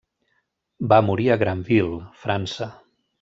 Va morir a Granville, França.